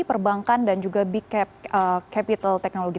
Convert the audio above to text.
perbankan dan juga big capital technology